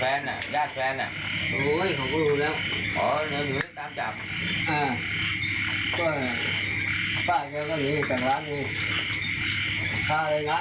ประทานผมบอกแล้วไงถึงอิ้วข้าวก็เดี๋ยวจะเอาข้าวมาให้